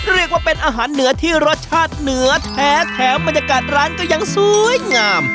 เรียกว่าเป็นอาหารเหนือที่รสชาติเหนือแท้แถมบรรยากาศร้านก็ยังสวยงาม